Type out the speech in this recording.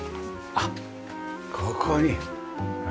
あっここに。